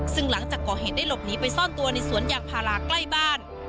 ซึ่งหลังจากก่อเหตุได้หลบหนีไปซ่อนตัวในสวนยางพาราใกล้บ้าน